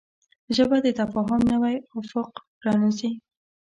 ژبه د تفاهم نوی افق پرانیزي